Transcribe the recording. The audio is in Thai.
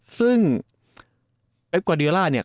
ซึ่งแป๊บกวารี่โอลาเนี่ย